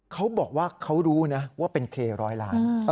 เขาบอกว่าเขารู้นะว่าเป็นเคร้อยล้าน